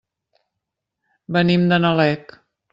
Venim de Nalec.